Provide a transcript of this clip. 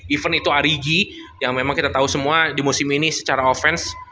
even itu arigi yang memang kita tahu semua di musim ini secara offense